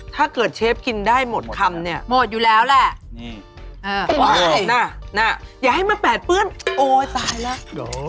เชฟกินได้หมดคำเนี่ยหมดอยู่แล้วแหละอย่าให้มาแปดเปื้อนโอ๊ยตายแล้ว